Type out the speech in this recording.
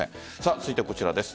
続いてこちらです。